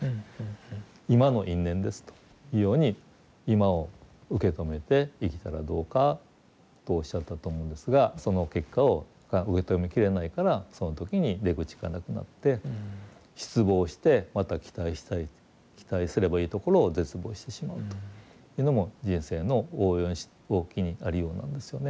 今の因縁ですというように今を受け止めて生きたらどうかとおっしゃったと思うんですがその結果が受け止めきれないからその時に出口がなくなって失望してまた期待したり期待すればいいところを絶望してしまうというのも人生の大きいありようなんですよね。